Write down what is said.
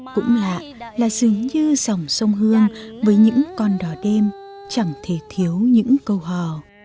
cũng lạ là dường như dòng sông hương với những con đỏ đêm chẳng thể thiếu những câu hò